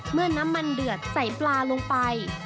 เมื่อน้ำมันเดือดใส่ปลาลงไป